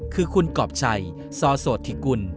คือคุณกรอบชัยซอโสธิกุล